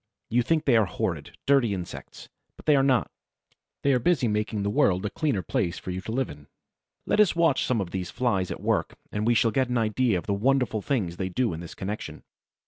You think they are horrid, dirty insects; but they are not; they are busy making the world a cleaner place for you to live in. Let us watch some of these Flies at work, and we shall get an idea of the wonderful things they do in this connection.